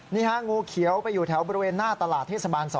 งูเขียวไปอยู่แถวบริเวณหน้าตลาดเทศบาล๒